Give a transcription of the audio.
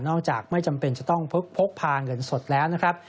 จากไม่จำเป็นจะต้องพกพาเงินสดแล้วนะครับ